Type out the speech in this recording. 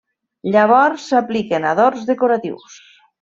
Llavors, s'apliquen adorns decoratius.